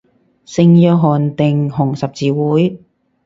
聖約翰定紅十字會